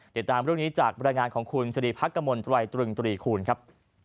ติดตามเรื่องนี้จากบรรยายงานของคุณสรีพักกมลตรายตรึงตรีคูณครับ